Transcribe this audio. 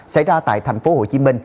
xảy ra tại tp hcm